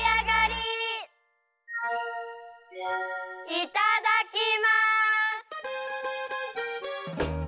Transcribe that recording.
いただきます！